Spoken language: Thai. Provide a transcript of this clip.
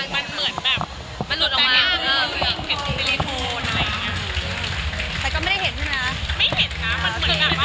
มันเหมือนแบบมันหลุดออกมามันเหมือนกับมันเหมือนกับมันเหมือนกับมันเหมือนกับ